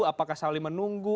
apakah saling menunggu